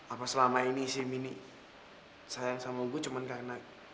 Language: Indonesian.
apa selama ini si mini sayang sama gue cuma karena